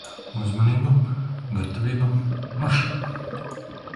Uzmanību, gatavību, marš!